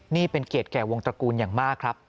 นี่เป็นเกียรติแก่วงตระกูลอย่างมากครับ